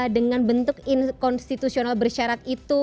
dengan bentuk inkonstitusional bersyarat itu